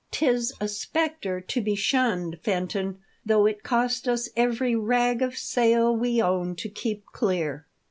'Tis a spectre to be shunned, Fenton, though it cost us every rag of sail we own to keep clear."